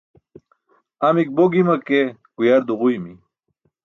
Amik bo gima ke, guyar duġuymi.